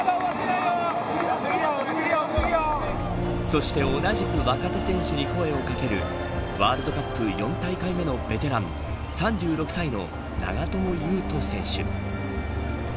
そして、同じく若手選手に声を掛けるワールドカップ４大会目のベテラン３６歳の長友佑都選手。